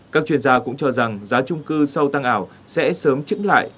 các chuyên gia cũng cho rằng giá trung cư sau tăng ảo sẽ sớm trứng lại